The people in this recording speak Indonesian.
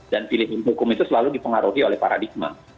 dan pilihan hukum itu selalu dipengaruhi oleh paradigma